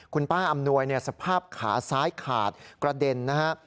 คุณป้าอำนวยสภาพขาซ้ายขาดกระเด็นนะฮะ